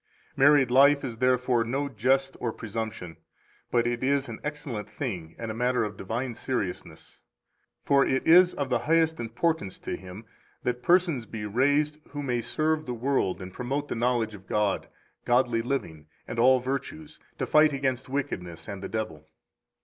Married life is therefore no jest or presumption; but it is an excellent thing and a matter of divine seriousness. For it is of the highest importance to Him that persons be raised who may serve the world and promote the knowledge of God, godly living, and all virtues, to fight against wickedness and the devil.